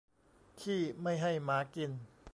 ขี้ไม่ให้หมากิน